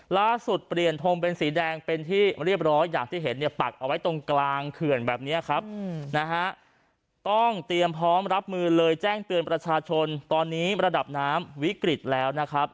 เปลี่ยนทงเป็นสีแดงเป็นที่เรียบร้อยอย่างที่เห็นเนี่ยปักเอาไว้ตรงกลางเขื่อนแบบนี้ครับนะฮะต้องเตรียมพร้อมรับมือเลยแจ้งเตือนประชาชนตอนนี้ระดับน้ำวิกฤตแล้วนะครับ